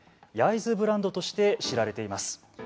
焼津ブランドとして知られています。